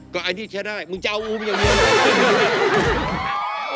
ก็อันนี้ใช่ได้มึงจะเอาอุ้มอย่างเงียบไหม